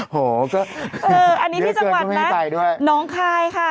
โหก็เยอะเกินก็ไม่มีไปด้วยอันนี้ที่จังหวัดน้องคายค่ะ